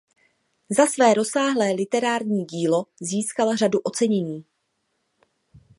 Za své rozsáhlé literární dílo získal řadu ocenění.